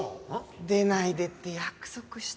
出ないでって約束したのに。